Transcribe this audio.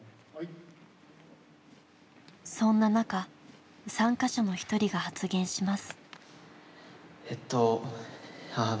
そんな中参加者の一人が発言します。